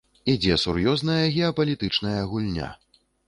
Ідзе сур'ёзная геапалітычная гульня.